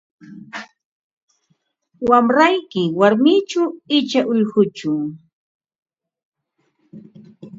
Wamrayki warmichu icha ullquchu?